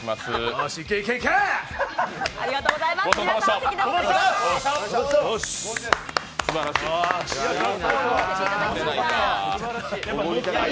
よーし、いけいけいけいけ！！